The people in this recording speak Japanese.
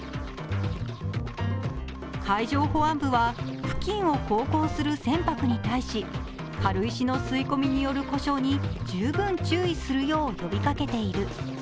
海上保安部は付近を航行する船舶に対し軽石の吸い込みによる故障に十分注意するよう呼びかけている。